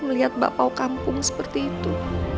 melihat bakpao kampung seperti itu